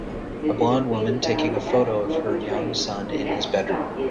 A blond woman taking a photo of her young son in his bedroom.